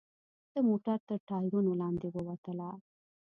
د موټر تر ټایرونو لاندې ووتله.